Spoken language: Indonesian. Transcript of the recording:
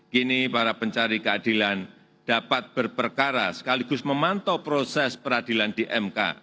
kini para pencari keadilan dapat berperkara sekaligus memantau proses peradilan di mk